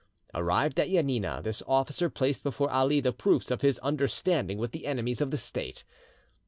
Arrived at Janina, this officer placed before Ali the proofs of his understanding with the enemies of the State.